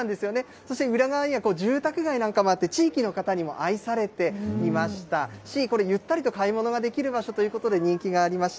そして裏側には住宅街なんかもあって、地域の方にも愛されていましたし、これ、ゆったりと買い物できる場所として人気がありました。